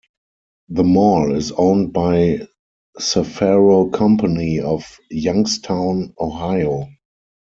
The mall is owned by Cafaro Company of Youngstown, Ohio.